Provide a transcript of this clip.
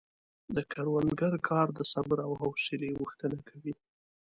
د کروندګر کار د صبر او حوصلې غوښتنه کوي.